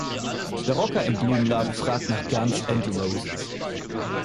Der Rocker im Blumenladen fragt nach "Guns and Roses".